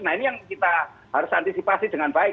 nah ini yang kita harus antisipasi dengan baik